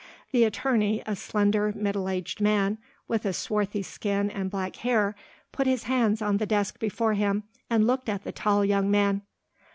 The attorney, a slender, middle aged man with a swarthy skin and black hair, put his hands on the desk before him and looked at the tall young man.